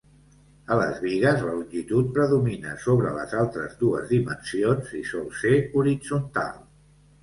A les bigues la longitud predomina sobre les altres dues dimensions i sol ser horitzontal.